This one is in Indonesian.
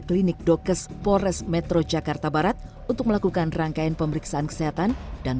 klinik dokes pores metro jakarta barat untuk melakukan rangkaian pemeriksaan kesehatan dan